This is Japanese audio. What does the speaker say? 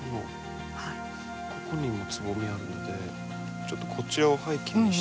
ここにもつぼみあるのでちょっとこちらを背景にして。